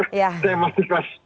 saya masih kelas